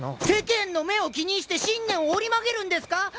世間の目を気にして信念を折り曲げるんですか？